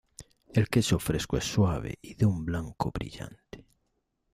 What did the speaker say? El queso fresco es suave y de un blanco brillante.